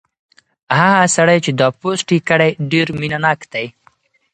هغه سړی چې دا پوسټ یې کړی ډېر مینه ناک دی.